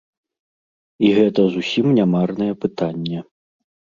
І гэта зусім не марнае пытанне.